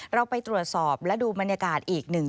เราไปตรวจสอบและดูบรรยากาศอีกหนึ่ง